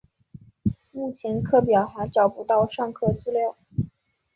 目前课表还找不到上课资料